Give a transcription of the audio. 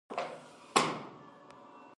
که هوا توده شي نو واوره ویلې کېږي.